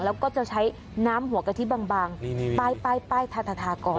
แล้วก็จะใช้น้ำหัวกะทิบางไปทาทาก่อน